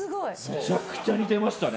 めちゃくちゃ似てましたね。